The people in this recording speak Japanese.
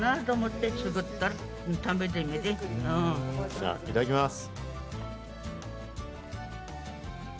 じゃあ、いただきます。